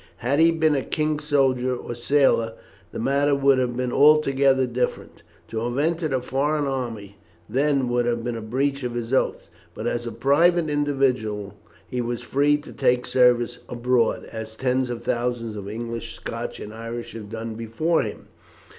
"Had he been a king's soldier or sailor the matter would have been altogether different. To have entered a foreign army then would have been a breach of his oaths. But as a private individual he was free to take service abroad, as tens of thousands of English, Scotch, and Irish have done before him.